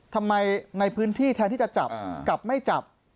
ในพื้นที่แทนที่จะจับกลับไม่จับ